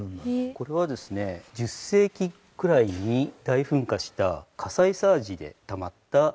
これはですね１０世紀くらいに大噴火した火砕サージでたまった堆積物の砂です。